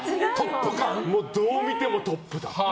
どう見てもトップだって。